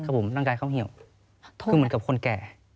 คือผมร่างกายเขาเหี่ยวคือเหมือนกับคนแก่